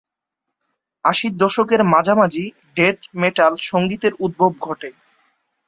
আশির দশকের মাঝামাঝি ডেথ মেটাল সঙ্গীতের উদ্ভব ঘটে।